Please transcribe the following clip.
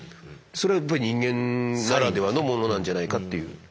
それはやっぱり人間ならではのものなんじゃないかっていう。